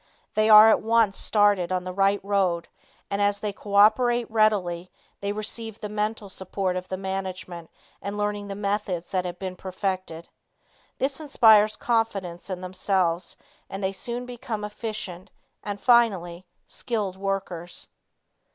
They are at once started on the right road, and as they co operate readily they receive the mental support of the management in learning the methods that have been perfected. This inspires confidence in themselves and they soon become efficient and, finally, skilled workers.